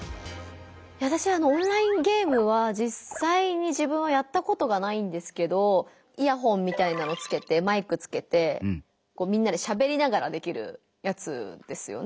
わたしはオンラインゲームはじっさいに自分はやったことがないんですけどイヤホンみたいなのつけてマイクつけてみんなでしゃべりながらできるやつですよね。